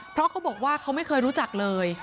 เพราะเขาบอกว่าเขาไม่เคยรู้จักเลย